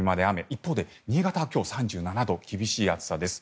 一方で新潟は今日３７度厳しい暑さです。